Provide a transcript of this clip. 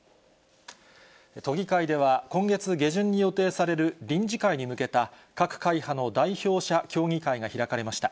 都議会では、今月下旬に予定される臨時会に向けた、各会派の代表者協議会が開かれました。